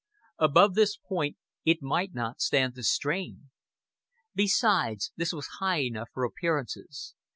Above this point it might not stand the strain. Besides, this was high enough for appearances.